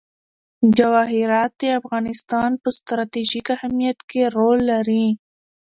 جواهرات د افغانستان په ستراتیژیک اهمیت کې رول لري.